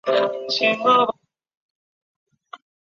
滇西泽芹是伞形科泽芹属的植物。